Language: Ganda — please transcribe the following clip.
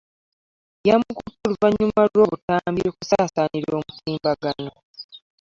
Yamukutte oluvannyuma lw'obutambi okusaasaanira omutimbagano